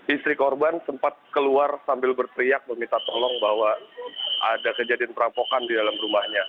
istri korban sempat keluar sambil berteriak meminta tolong bahwa ada kejadian perampokan di dalam rumahnya